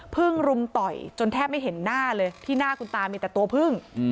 รุมต่อยจนแทบไม่เห็นหน้าเลยที่หน้าคุณตามีแต่ตัวพึ่ง